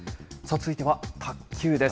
続いては卓球です。